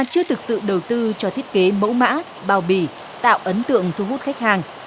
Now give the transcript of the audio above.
được sự đầu tư cho thiết kế mẫu mã bao vị tạo ấn tượng thu hút khách hàng